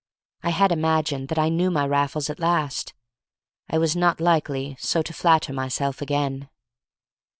I had imagined that I knew my Raffles at last. I was not likely so to flatter myself again.